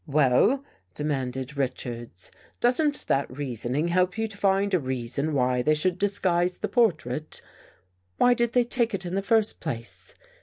" Well," demanded Richards, " doesn't that reasoning help you to find a reason why they should disguise the portrait? Why did they take it in the first place?